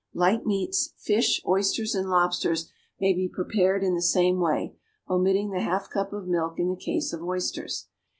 Light meats, fish, oysters and lobsters may be prepared in the same way, omitting the half cup of milk in the case of oysters.